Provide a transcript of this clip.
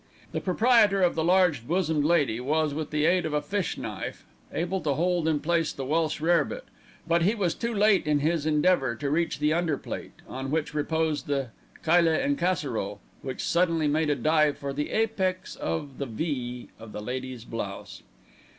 The proprietor of the large bosomed lady was, with the aid of a fish knife, able to hold in place the Welsh rarebit; but he was too late in his endeavour to reach the under plate on which reposed the "caille en casserole," which suddenly made a dive for the apex of the V of the lady's blouse.